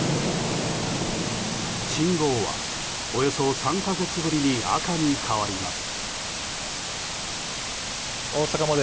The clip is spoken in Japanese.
信号は、およそ３か月ぶりに赤に変わります。